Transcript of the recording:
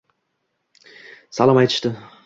Salom aytishdi...